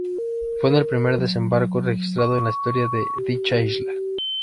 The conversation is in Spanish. Fue el primer desembarco registrado en la historia de dicha isla.